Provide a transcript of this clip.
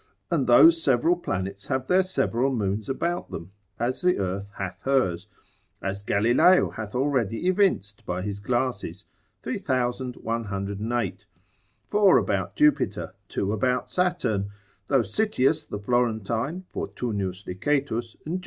and those several planets have their several moons about them, as the earth hath hers, as Galileo hath already evinced by his glasses: four about Jupiter, two about Saturn (though Sitius the Florentine, Fortunius Licetus, and Jul.